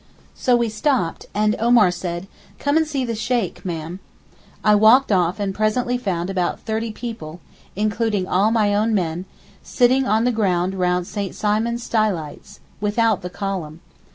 So we stopped and Omar said, 'come and see the Sheyk, ma'am.' I walked off and presently found about thirty people, including all my own men, sitting on the ground round St. Simon Stylites—without the column.